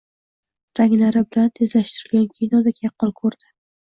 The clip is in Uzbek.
ranglari bilan, tezlashtirilgan kinodek yaqqol ko‘rdi.